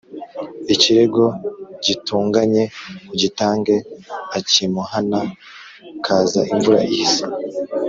ikirego gitunganye ugitange akimuhana kaza imvura ihise"